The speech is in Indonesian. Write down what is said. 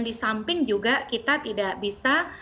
di samping juga kita tidak bisa